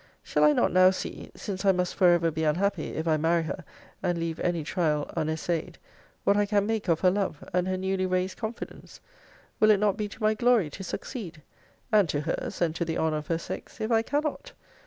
Shall I not now see (since I must forever be unhappy, if I marry her, and leave any trial unessayed) what I can make of her love, and her newly raised confidence? Will it not be to my glory to succeed? And to her's and to the honour of her sex, if I cannot?